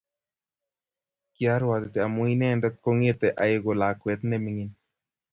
Kiarwatit amu inendet kongete aeku lakwet ne mingin